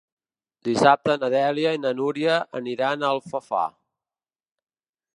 Dissabte na Dèlia i na Núria aniran a Alfafar.